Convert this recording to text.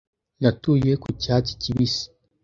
Natuye ku cyatsi kibisi.